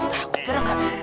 takut kira kira ga